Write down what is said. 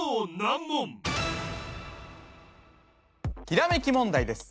ひらめき問題です